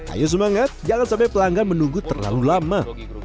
ayo semangat jangan sampai pelanggan menunggu terlalu lama